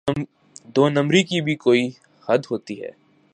دو نمبری کی بھی کوئی حد ہوتی ہے۔